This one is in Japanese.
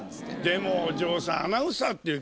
でもお嬢さん。